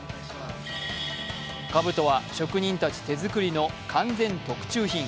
かぶとは職人たち手作りの完全特注品。